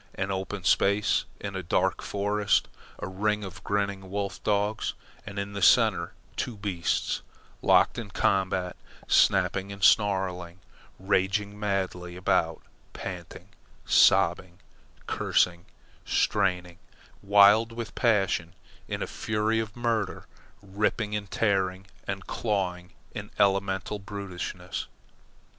An open space in a dark forest, a ring of grinning wolf dogs, and in the centre two beasts, locked in combat, snapping and snarling raging madly about panting, sobbing, cursing, straining, wild with passion, in a fury of murder, ripping and tearing and clawing in elemental brutishness.